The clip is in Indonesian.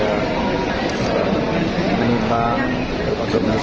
akan bertandardrange di temperatorell